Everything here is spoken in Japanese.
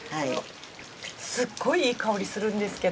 すっごいいい香りするんですけど。